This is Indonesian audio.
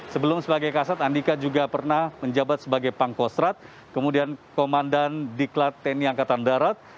sebelum sebagai kasat andika juga pernah menjabat sebagai pangkostrat kemudian komandan diklat tni angkatan darat